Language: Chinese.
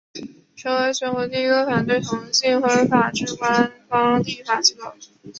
成为全国第一个反对同性婚姻法制化的官方立法机构。